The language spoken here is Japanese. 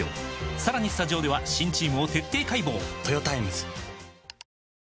さらにスタジオでは新チームを徹底解剖！